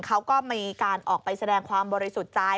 เขาก็มีการออกไปแสดงความบริสุทธิ์ใจ